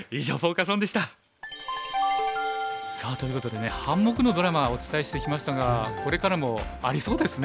さあということでね半目のドラマお伝えしてきましたがこれからもありそうですね。